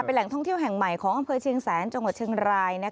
เป็นแหล่งท่องเที่ยวแห่งใหม่ของอำเภอเชียงแสนจังหวัดเชียงราย